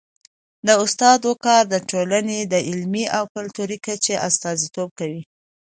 د استاد وقار د ټولني د علمي او کلتوري کچي استازیتوب کوي.